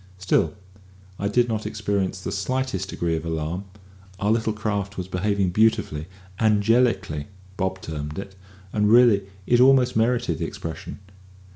Still, I did not experience the slightest degree of alarm: our little craft was behaving beautifully angelically. Bob termed it, and really it almost merited the expression.